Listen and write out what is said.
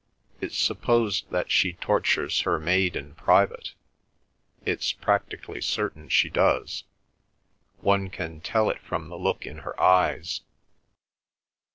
It's supposed that she tortures her maid in private—it's practically certain she does. One can tell it from the look in her eyes."